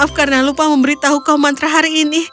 maaf karena lupa memberitahu kau mantra hari ini